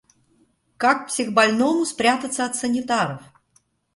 Как психбольному спрятаться от санитаров?